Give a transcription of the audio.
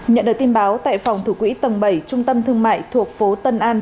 nhận được tin báo tại phòng thủ quỹ tầng bảy trung tâm thương mại thuộc phố tân an